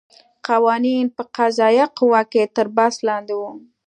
قوانین په قضایه قوه کې تر بحث لاندې وو.